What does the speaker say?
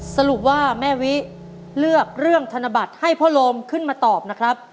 สรุปว่าแม่วิเลือกเรื่องธนบัตรให้พ่อโลมขึ้นมาตอบนะครับ